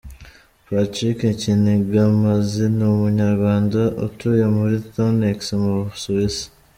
Patrick Kinigamazi ni umunyarwanda utuye muri Thonex mu Busuwisi.